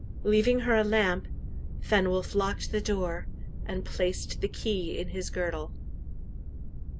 Leaving her a lamp, Fenwolf locked the door, and placed the key in his girdle.